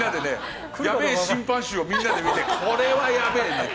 やべえ審判集をみんなで見てこれはやべえなって。